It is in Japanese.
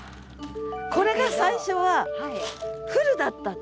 これが最初は「降る」だった。